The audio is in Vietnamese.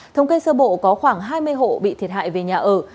thống kê sơ bộ có khoảng hai mươi hộ bị thiệt hại về nhà ở